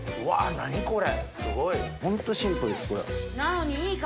何これ。